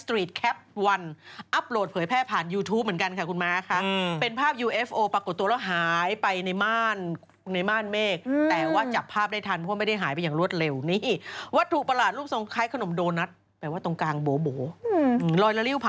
ที่เป็นเขาถึงเอ้ออ้วกเลยใช่ไหมครับใช่มันแบบว่าละคายเครื่องไปหมดทั้งล่างอย่างนี้นะ